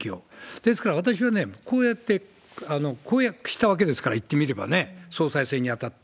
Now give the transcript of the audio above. ですから私はね、こうやって公約したわけですから、言ってみればね、総裁選にあたって。